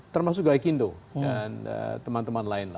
termasuk gai kindo dan teman teman lain